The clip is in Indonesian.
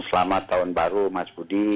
selamat tahun baru mas budi